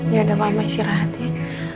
yaudah mama isi rahat ya